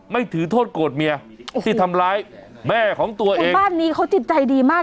ไม่ถือโทษโกรธเมียที่ทำร้ายแม่ของตัวเองบ้านนี้เขาจิตใจดีมาก